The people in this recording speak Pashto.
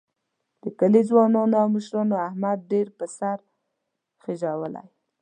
د کلي ځوانانو او مشرانو احمد ډېر په سر خېجولی.